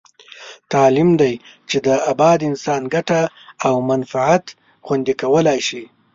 تعلیم دی چې د اباد انسان ګټه او منفعت خوندي کولای شي.